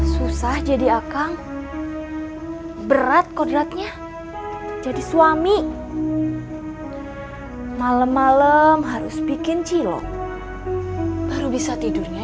susah jadi akang berat kodratnya jadi suami malam malam harus bikin cilok baru bisa tidurnya